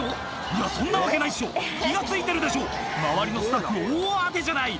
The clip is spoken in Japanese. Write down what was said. いやそんなわけないっしょ気が付いてるでしょ周りのスタッフも大慌てじゃない